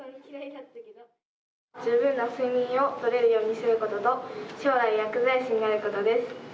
十分な睡眠を取れるようにすることと将来、薬剤師になることです。